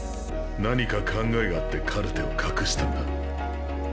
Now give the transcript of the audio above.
何か考えがあってカルテを隠したんだ。